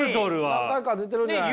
何回か出てるんじゃないですか？